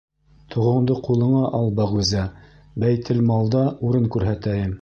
Тоғоңдо ҡулыңа ал, Бәғүзә, бәйтелмалда урын күрһәтәйем.